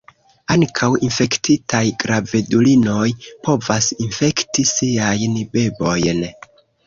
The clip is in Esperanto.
Ankaŭ infektitaj gravedulinoj povas infekti siajn bebojn.